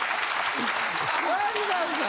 わかりました。